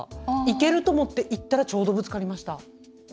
行けると思って行ったらちょうどぶつかりました。